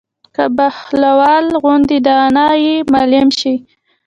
که بهلول غوندې دانا ئې معلم شي